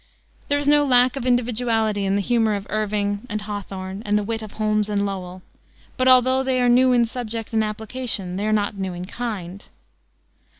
There is no lack of individuality in the humor of Irving and Hawthorne and the wit of Holmes and Lowell, but although they are new in subject and application they are not new in kind.